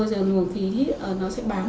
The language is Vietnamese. rồi luồng khí nó sẽ bám